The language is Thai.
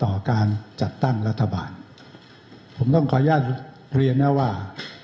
ต่อการจัดตั้งรัฐบาลผมต้องขออนุญาตเรียนนะว่า